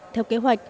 theo kế hoạch